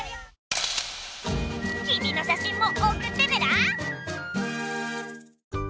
君のしゃしんもおくってメラ！